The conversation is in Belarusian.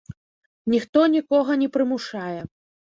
Ніхто нікога не прымушае.